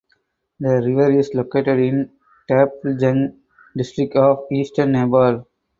The river is located in Taplejung district of eastern Nepal.